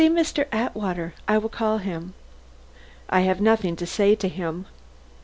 "See Mr. Atwater; I will call him." "I have nothing to say to him."